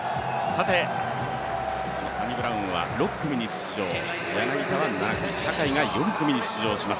サニブラウンは６組に出場、柳田が７組、坂井が４組に出場します